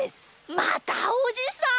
またおじさん？